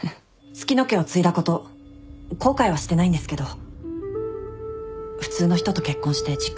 月乃家を継いだこと後悔はしてないんですけど普通の人と結婚して実感しました。